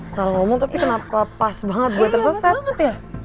salah ngomong tapi kenapa pas banget gue tersesat ya